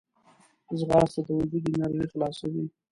ځغاسته د وجود انرژي خلاصوي